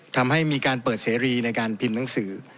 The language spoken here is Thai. ทำให้มีการเปิดเสรีในการพิมพ์หนังสือ